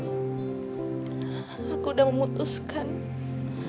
perhuakanlah diri gua sendiri